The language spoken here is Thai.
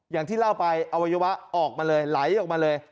อย่างที่เล่าไปอวัยวะออกมาเลยไหลออกมาเลย